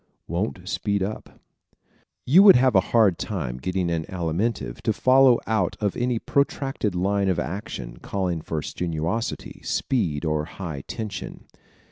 Won't Speed Up ¶ You would have a hard time getting an Alimentive to follow out any protracted line of action calling for strenuosity, speed or high tension.